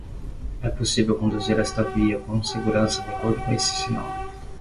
É possível conduzir esta via com segurança de acordo com esse sinal.